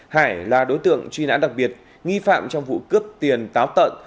hải là đối tượng truy nã đặc biệt nghi phạm trong vụ cướp tiền táo tận